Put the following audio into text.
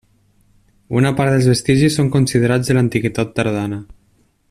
Una part dels vestigis són considerats de l'Antiguitat tardana.